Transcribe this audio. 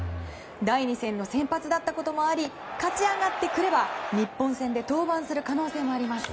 第２戦の先発だったこともあり勝ち上がってくれば日本戦で登板する可能性もあります。